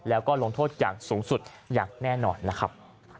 แล้วก็ลงโทษอย่างสูงสุดอย่างแน่นอนนะครับ